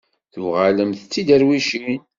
Tuɣalemt d tiderwicin?